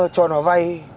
cho nó vay